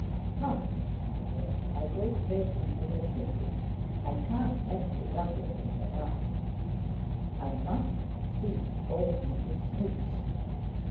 "Nonsense, my dear; I go straight into the City. I can't have you racketting about!" "I must see old Mrs. Smeech."